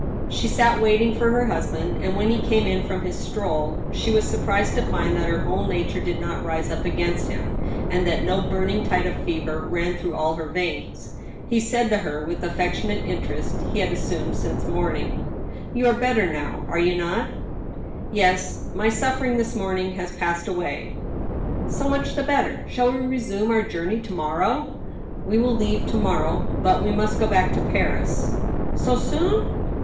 She sat waiting for her husband ; and, when he came in from his stroll, she was surprised to find that her whole nature did not rise up against him, and that no burning tide of fever ran through all her veins. He said to her, with the affectionate interest he had assumed since morning :*' You are better now — are you not ?"" Ye« ; my suffering this morning has passed away." "So much the better. Shall we resume our journey to mor row?" " We will leave to morrow, but we must go back to Paris." "So soon?"